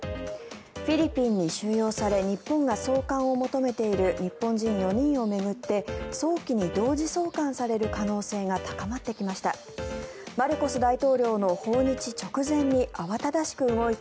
フィリピンに収容され日本が送還を求めている日本人４人を巡って早期に同時送還される可能性が高まってきました。